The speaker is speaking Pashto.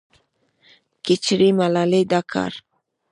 کچېرې ملالې دا کار